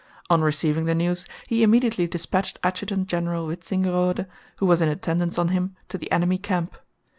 On receiving the news he immediately dispatched Adjutant General Wintzingerode, who was in attendance on him, to the enemy camp.